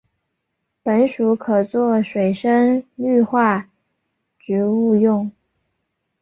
本属可做水生绿化植物用。